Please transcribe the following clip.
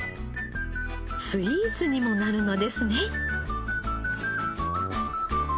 スイーツにもなるのですね。